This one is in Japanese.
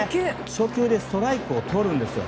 初球でストライクをとるんですよ。